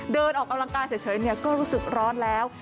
ออกกำลังกายเฉยก็รู้สึกร้อนแล้ว